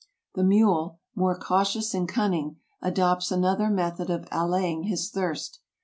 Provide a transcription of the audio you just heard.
The mule, more cautious and cunning, adopts another method of allaying his thirst.